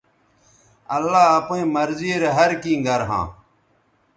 اللہ اپئیں مرضی رے ہر کیں گر ھاں